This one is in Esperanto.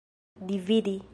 dividi